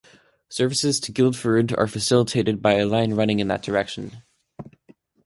Services to Guildford are facilitated by a line running in that direction.